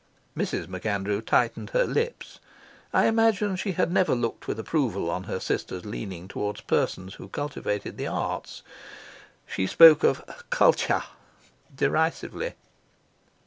Mrs. MacAndrew tightened her lips. I imagine that she had never looked with approval on her sister's leaning towards persons who cultivated the arts. She spoke of "culchaw" derisively.